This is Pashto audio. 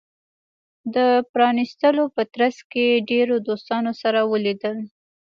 د پرانېستلو په ترڅ کې ډیرو دوستانو سره ولیدل.